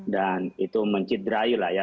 dan itu mencidrayu lah ya